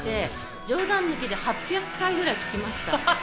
じょうだん抜きで８００回ぐらい聴きました。